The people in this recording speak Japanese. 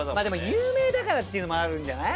有名だからっていうのもあるんじゃない？